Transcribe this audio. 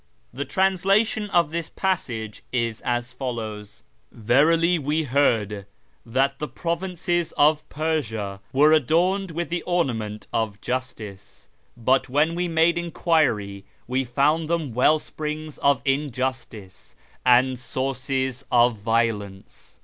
The translation of this passage is as follows :—" Verily we heard that the provinces of Persia ivere adorned with the ornament of justiec ; hut when we made enquiry we fonnd them well springs of injustice and sources of violence.